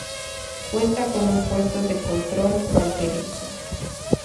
Cuenta con un puesto de control fronterizo.